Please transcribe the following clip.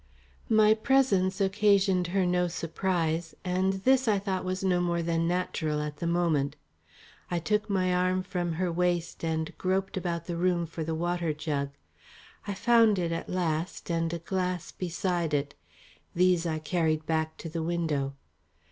My presence occasioned her no surprise and this I thought was no more than natural at the moment. I took my arm from her waist and groped about the room for the water jug. I found it at last and a glass beside it. These I carried back to the window.